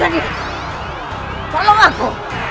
jurus ini mau menguntungi jalan darah aku